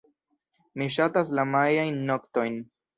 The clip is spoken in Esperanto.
Mi ŝatas la majajn noktojn.